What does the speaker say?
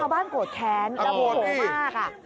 ชาวบ้านโกรธแค้นระโหลมากอ่ะ